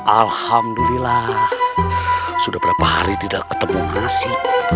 alhamdulillah sudah berapa hari tidak ketemu nasi